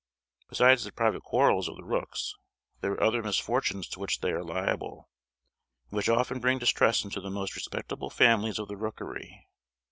Besides the private quarrels of the rooks, there are other misfortunes to which they are liable, and which often bring distress into the most respectable families of the rookery.